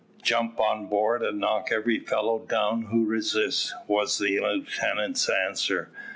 "Jump on board, and knock every fellow down who resists," was the lieutenant's answer.